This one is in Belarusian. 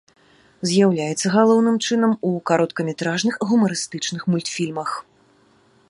З'яўляецца галоўным чынам у кароткаметражных гумарыстычных мультфільмах.